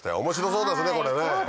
そうですね。